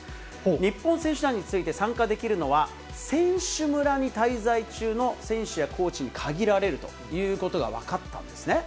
日本選手団について参加できるのは、選手村に滞在中の選手やコーチに限られるということが分かったんですね。